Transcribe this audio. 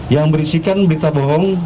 yang berisikan berita bohong